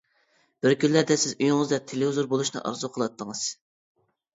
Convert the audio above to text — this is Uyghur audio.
بىر كۈنلەردە سىز ئۆيىڭىزدە تېلېۋىزور بولۇشنى ئارزۇ قىلاتىڭىز.